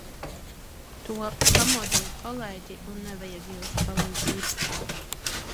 To pamodina kolēģi, un nevajag jūsu palīdzību.